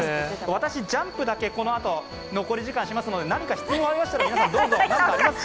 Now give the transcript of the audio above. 私、ジャンプだけ、このあと残り時間しますので、何か質問ありましたらどうぞ。